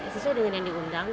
siswa dengan yang diundang